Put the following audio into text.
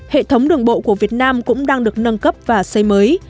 hệ thống đường bộ của việt nam cũng đang được nâng cấp và xây mới